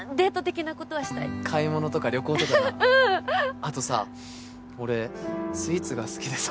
あとさ俺スイーツが好きでさ。